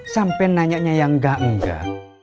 sampai nanya yang enggak enggak